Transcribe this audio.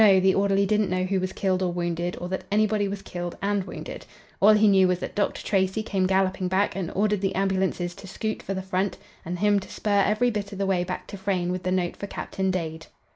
the orderly didn't know who was killed or wounded, or that anybody was killed and wounded. All he knew was that Dr. Tracy came galloping back and ordered the ambulances to scoot for the front and him to spur every bit of the way back to Frayne with the note for Captain Dade.